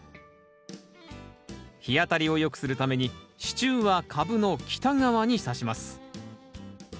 日当たりをよくするために支柱は株の北側にさします。